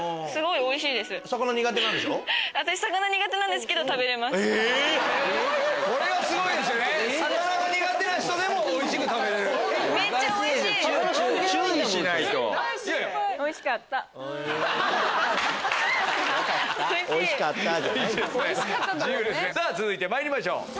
続いてまいりましょう。